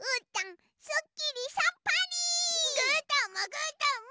ぐーたんもぐーたんも！